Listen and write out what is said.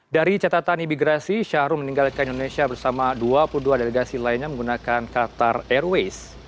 dari catatan imigrasi syahrul meninggalkan indonesia bersama dua puluh dua delegasi lainnya menggunakan qatar airways